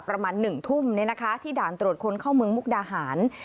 ประมาณ๑ทุ่มที่ด่านตรวจคนเข้าเมืองมุกดาหาร